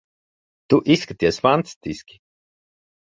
Tu izskaties fantastiski.